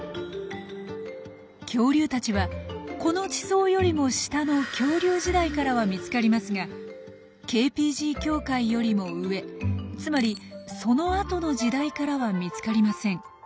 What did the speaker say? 恐竜たちはこの地層よりも下の恐竜時代からは見つかりますがＫ／Ｐｇ境界よりも上つまり「その後の時代」からは見つかりません。